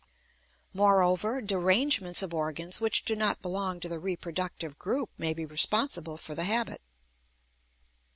Moreover, derangements of organs which do not belong to the reproductive group may be responsible for the habit.